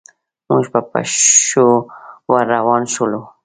موږ په پښو ور روان شولو.